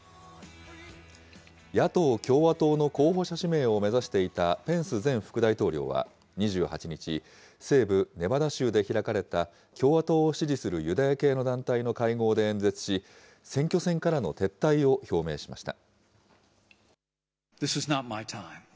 野党・共和党の候補者指名を目指していたペンス前副大統領は２８日、西部ネバダ州で開かれた、共和党を支持するユダヤ系の団体の会合で演説し、選挙戦からの撤退を表明しました。